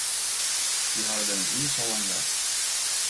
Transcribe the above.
We hawwe dêr net iens sa lang west.